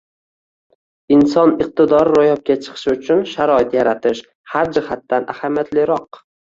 Inson iqtidori ro‘yobga chiqishi uchun sharoit yaratish — har jihatdan ahamiyatliroq